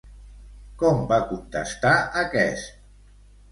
Com va contestar aquest?